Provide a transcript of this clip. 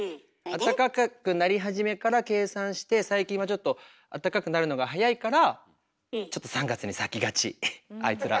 暖かくなり始めから計算して最近はちょっとあったかくなるのが早いからちょっと３月に咲きがちあいつら。